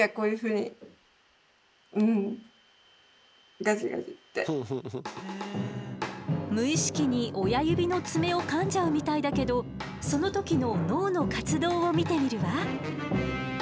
いやそれは無意識に親指の爪をかんじゃうみたいだけどその時の脳の活動を見てみるわ。